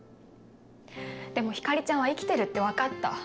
でも光莉ちゃんは生きてるって分かった。